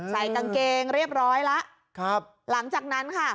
ใส่กางเกงเรียบร้อยแล้วครับหลังจากนั้นค่ะ